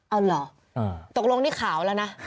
เอาเหรอตกลงนี่ขาวแล้วนะ